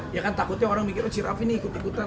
ya kan takutnya orang mikir oh cheer off ini ikut ikutan